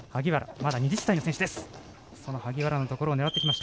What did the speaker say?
まだ２０歳の選手。